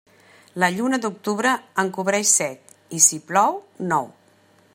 La lluna d'octubre en cobreix set, i si plou, nou.